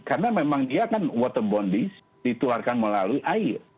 karena memang dia kan water bondis ditularkan melalui air